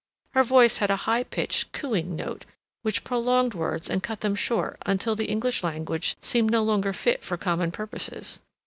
Her voice had a high pitched, cooing note, which prolonged words and cut them short until the English language seemed no longer fit for common purposes.